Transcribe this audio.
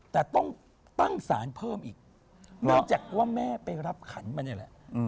แต่ต้องตั้งสารเพิ่มอีกเนื่องจากว่าแม่ไปรับขันมานี่แหละ